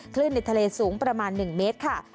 ในทะเลสูงประมาณ๑เมตรค่ะ